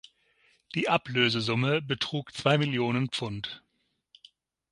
Die Ablösesumme betrug zwei Millionen Pfund.